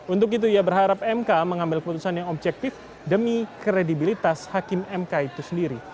untuk itu ia berharap mk mengambil keputusan yang objektif demi kredibilitas hakim mk itu sendiri